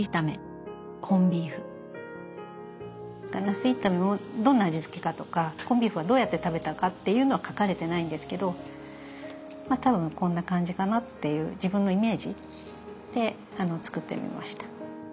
茄子炒めもどんな味付けかとかコンビーフはどうやって食べたかっていうのは書かれてないんですけどまあ多分こんな感じかなっていう自分のイメージで作ってみました。